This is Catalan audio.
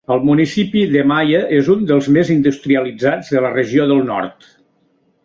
El municipi de Maia és un dels més industrialitzats de la regió del nord.